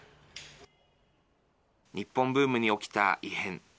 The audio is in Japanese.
日本ブームに起きた異変。